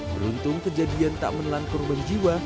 beruntung kejadian tak menelan korban jiwa